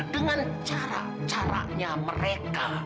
dengan cara caranya mereka